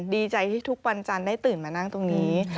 ดีใจที่ทุกวันจันทร์ได้ตื่นมานั่งตรงนี้